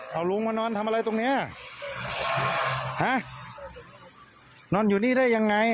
เอาลุงมานอนทำอะไรตรงเนี้ยฮะนอนอยู่นี่ได้ยังไง